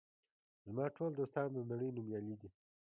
زما ټول دوستان د نړۍ نومیالي دي.